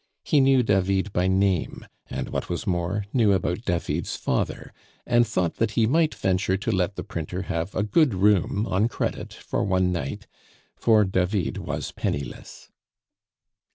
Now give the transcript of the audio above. He knew David by name, and what was more, knew about David's father, and thought that he might venture to let the printer have a good room on credit for one night; for David was penniless.